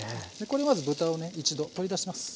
これまず豚をね一度取り出します。